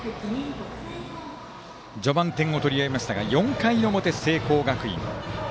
序盤、点を取り合いましたが４回表、聖光学院。